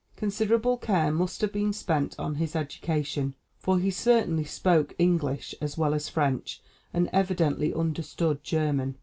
Considerable care must have been spent on his education, for he certainly spoke English as well as French, and evidently understood German.